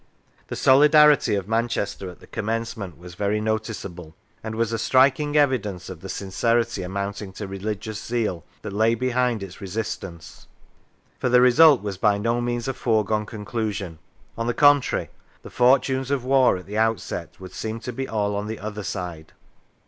The solidarity of Manchester at the commencement was very notice able, and was a striking evidence of the sincerity, amounting to religious zeal, that lay behind its re sistance. For the result was by no means a foregone conclusion. On the contrary, the fortunes of war at the outset would seem to be all on the other side.